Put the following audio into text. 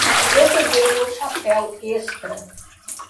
Eu peguei meu chapéu extra.